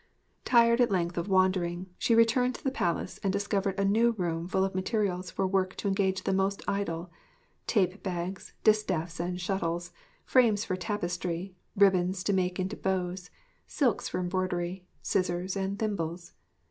Tired at length of wandering, she returned to the palace and discovered a new room full of materials for work to engage the most idle tape bags, distaffs and shuttles, frames for tapestry, ribbons to make into bows, silks for embroidery, scissors, and thimbles.